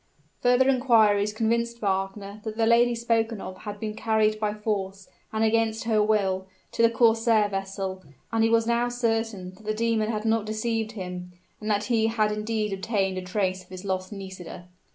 Further inquiries convinced Wagner that the lady spoken of had been carried by force, and against her will, to the corsair vessel; and he was now certain that the demon had not deceived him, and that he had indeed obtained a trace of his lost Nisida!